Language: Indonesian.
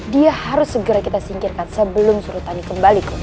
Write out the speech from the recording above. dia harus segera kita singkirkan sebelum surutannya kembali ke sini